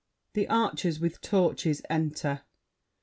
[The Archers with torches enter.